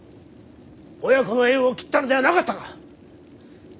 親子の縁を切ったのではなかったか。